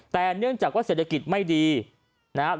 แต่เนื่องจากว่าเศรษฐกิจไม่ดีนะครับ